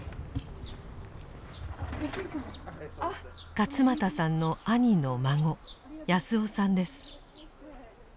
勝又さんの兄の孫康雄さんです。